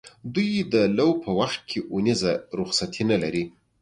دوی د لو په وخت کې اونیزه رخصتي نه لري.